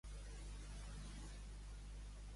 Quin va ser el motiu de l'esvaniment d'aquest càrrec?